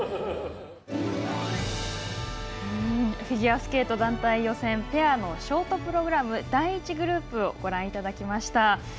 フィギュアスケート団体予選ペアのショートプログラム第１グループをご覧いただきました。